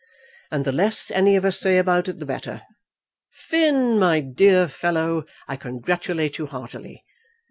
"And the less any of us say about it the better. Finn, my dear fellow, I congratulate you heartily.